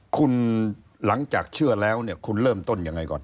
คุณหลังจากเชื่อแล้วเนี่ยคุณเริ่มต้นยังไงก่อน